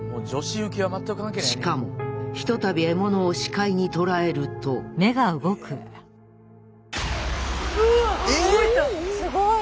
しかもひとたび獲物を視界に捉えるとええ⁉すごい。